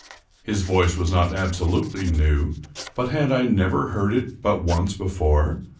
His voice was not absolutely new, but had I never heard it but once before